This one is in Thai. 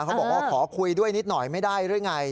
เขาบอกว่าขอคุยด้วยนิดหน่อยไม่ได้หรือไง